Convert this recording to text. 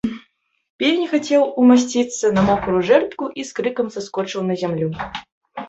Певень хацеў умасціцца на мокрую жэрдку і з крыкам саскочыў на зямлю.